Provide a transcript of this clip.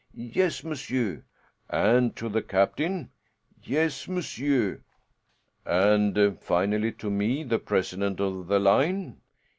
"Yes, monsieur." "And to the captain?" "Yes, monsieur." "And finally to me, the president of the line?"